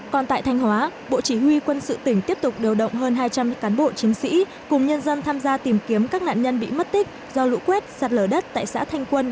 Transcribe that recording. còn tại thanh hóa bộ chỉ huy quân sự tỉnh tiếp tục điều động hơn hai trăm linh cán bộ chiến sĩ cùng nhân dân tham gia tìm kiếm các nạn nhân bị mất tích do lũ quét sạt lở đất tại xã thanh quân